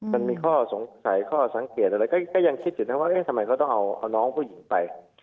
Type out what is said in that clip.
มันมีข้อสงสัยข้อสังคิดอะไรยังก็ที่สิทธิ์ว่าเอ๊ะจ๊ะจ๊ะทำไมเขาต้องเอาน้องผู้หญิงไป